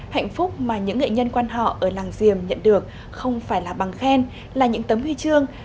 hạnh phúc mà những nghệ nhân quan họ ở làng diềm nhận được không phải là bằng khen là những tấm huy chương